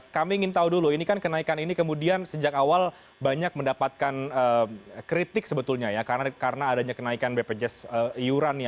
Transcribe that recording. kami ingin tahu dulu ini kan kenaikan ini kemudian sejak awal banyak mendapatkan kritik sebetulnya ya karena adanya kenaikan bpjs iuran